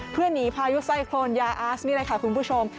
เพื่อหนีพายุไซโครนยาอาสนี่แหละค่ะคุณผู้ชม